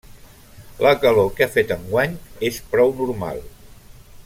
La calor que ha fet enguany és prou normal.